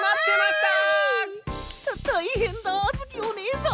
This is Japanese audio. たたいへんだあづきおねえさん。